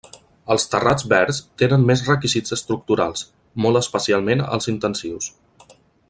Els terrats verds tenen més requisits estructurals, molt especialment els intensius.